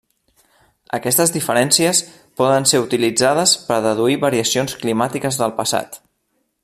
Aquestes diferències poden ser utilitzades per a deduir variacions climàtiques del passat.